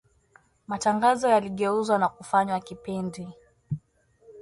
Matangazo yaligeuzwa na kufanywa kipindi